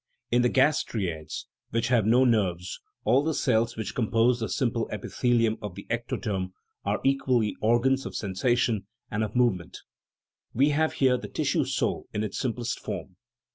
In the gastraeads, which have no nerves, all the cells which compose the simple epithe lium of the ectoderm are equally organs of sensation and of movement ; we have here the tissue soul in its simplest form.